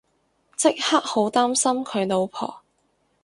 即刻好擔心佢老婆